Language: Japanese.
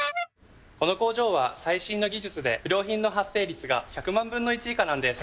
この工場は最新の技術で不良品の発生率が１００万分の１以下なんです。